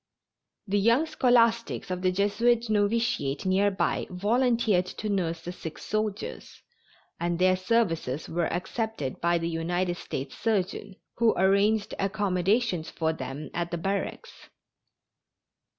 The young scholastics of the Jesuit Novitiate near by volunteered to nurse the sick soldiers, and their services were accepted by the United States surgeon, who arranged accommodations for them at the barracks.